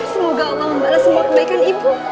semoga allah membalas semua kebaikan ibu